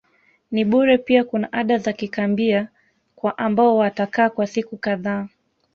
ni bure pia kuna ada za kikambia kwa ambao watakaa kwa siku kadhaa